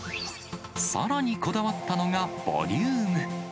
さらにこだわったのが、ボリューム。